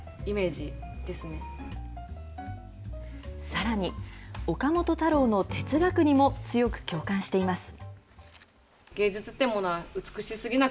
さらに、岡本太郎の哲学にも強く共感しています。